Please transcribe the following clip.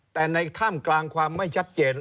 แต่ในถ้ำกลางความไม่ชัดเจน